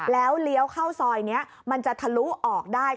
แล้วเลี้ยวเข้าซอยนี้มันจะทะลุออกได้